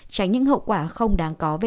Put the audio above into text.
tránh những hậu quả không đáng có về sau